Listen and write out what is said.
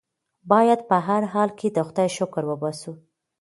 بايد په هر حال کې د خدای شکر وباسو.